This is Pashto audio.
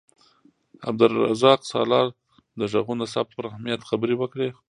عبدالرزاق سالار د غږونو د ثبت پر اهمیت خبرې وکړې.